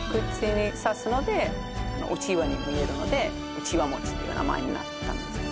串に刺すのでうちわに見えるのでうちわ餅っていう名前になったんです